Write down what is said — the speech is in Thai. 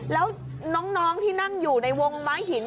แล้วน้องที่นั่งอยู่ในวงม้าหิน